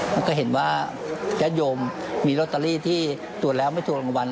แล้วก็เห็นว่าญาติโยมมีลอตเตอรี่ที่ตรวจแล้วไม่ถูกรางวัล